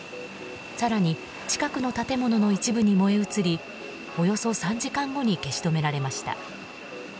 更に近くの建物の一部に燃え移りおよそ３時間後に消し止められました。